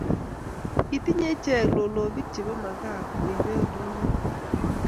Kitinyei ichek lolobik chebo makaa koibei ndonyo koalda